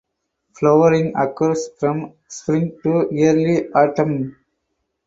Flowering occurs from spring to early autumn.